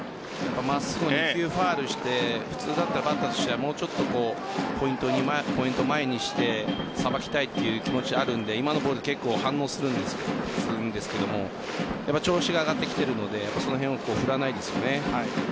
真っすぐ２球ファウルして普通だったらバットはポイントを前にしてさばきたいという気持ちがあるので今のボール、反応するんですけど調子が上がってきているのでその辺を振らないですよね。